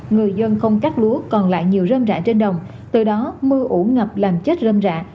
người dân không cắt lúa còn lại nhiều rơm rạ trên đồng từ đó mưa ủ ngập làm chết rơm rạ